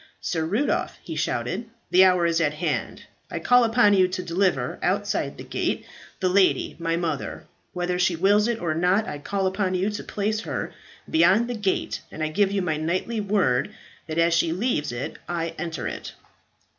"Sir Rudolph," he shouted, "the hour is at hand. I call upon you to deliver, outside the gate, the lady, my mother. Whether she wills it or not, I call upon you to place her beyond the gate, and I give you my knightly word that as she leaves it I enter it."